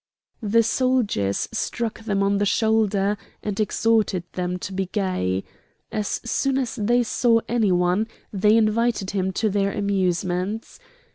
The soldiers struck them on the shoulder, and exhorted them to be gay. As soon as they saw any one, they invited him to their amusements.